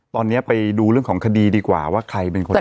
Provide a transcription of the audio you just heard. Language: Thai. ตอนนี้ไปดูเรื่องของคดีดีกว่าว่าใครเป็นคน